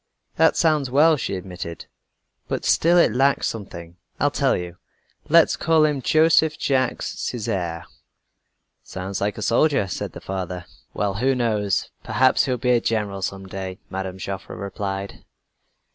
"That sounds well," she admitted, "but still it lacks something. I'll tell you. Let's call him Joseph Jacques Césaire." "Sounds like a soldier," said the father. "Well, who knows? Perhaps he will be a general some day," Mme. Joffre replied.